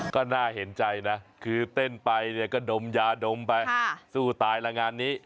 ก็น่าเห็นใจนะคือเต้นไปเนี่ยก็ดมยาดมไปสู้ตายละงานนี้